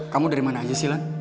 kamu dari mana aja sih lan